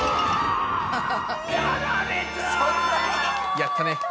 やったね。